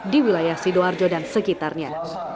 di wilayah sidoarjo dan sekitarnya